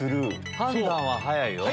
判断は早いよ。